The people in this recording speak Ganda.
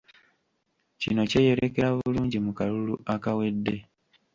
Kino kyeyolekera bulungi mu kalulu akawedde